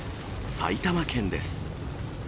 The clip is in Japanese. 埼玉県です。